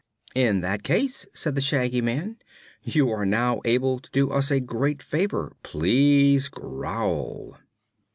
"In that case," said the Shaggy Man, "you are now able to do us all a great favor. Please growl."